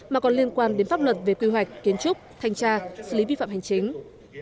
mà còn liên quan đến pháp luật về quy hoạch kiến trúc thanh tra xử lý vi phạm hành chính